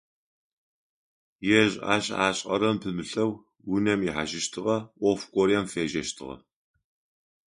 Ежь ащ ашӀэрэм пымылъэу, унэм ихьажьыщтыгъэ, Ӏоф горэм фежьэщтыгъэ.